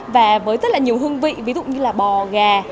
và với rất nhiều hương vị ví dụ như bò gà